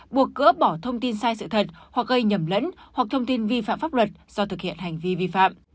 buộc gỡ bỏ thông tin sai sự thật hoặc gây nhầm lẫn hoặc thông tin vi phạm pháp luật do thực hiện hành vi vi phạm